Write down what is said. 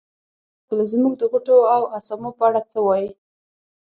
ما وپوښتل زموږ د غوټو او اسامو په اړه څه وایې.